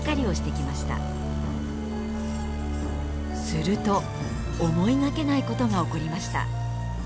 すると思いがけないことが起こりました。